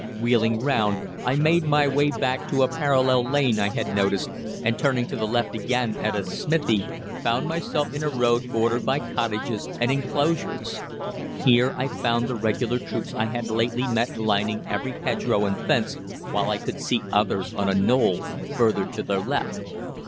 Wheeling round I made my way back to a parallel lane I had noticed, and turning to the left again at a smithy, found myself in a road bordered by cottages and enclosures. Here I found the Regular troops I had lately met lining every hedgerow and fence, while I could see others on a knoll further to their left.